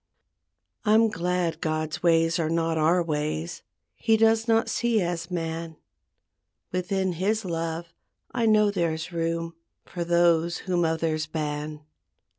I'm glad God's ways are not our ways He does not see as man; Within His love I know there's room For those whom others ban.